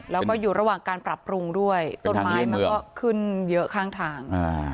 แล้วก็อยู่ระหว่างการปรับปรุงด้วยต้นไม้มันก็ขึ้นเยอะข้างทาง